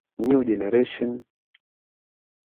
New Generationb United Service na New Kings Karume